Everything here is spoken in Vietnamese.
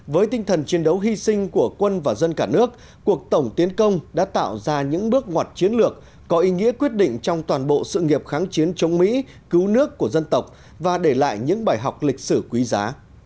với tinh thần chiến đấu hy sinh của quân và dân cả nước cuộc tổng tiến công đã tạo ra những bước ngoặt chiến lược có ý nghĩa quyết định trong toàn bộ sự nghiệp kháng chiến chống mỹ cứu nước của dân tộc và để lại những bài học lịch sử quý giá